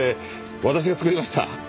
私が作りました。